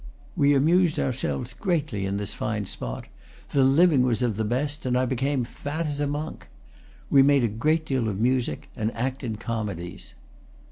We amused ourselves greatly in this fine spot; the liv ing was of the best, and I became as fat as a monk. We made a great deal of music, and acted comedies."